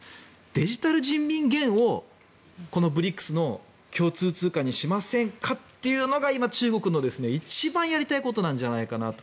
デジタル人民元をＢＲＩＣＳの共通通貨にしませんかというのが今、中国の一番やりたいことなんじゃないかなと。